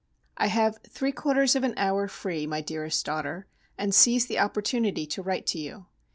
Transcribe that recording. I have three quarters of an hour free, my dearest daughter, and seize the opportunity to write to you.